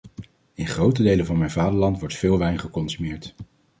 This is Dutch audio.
In grote delen van mijn vaderland wordt veel wijn geconsumeerd.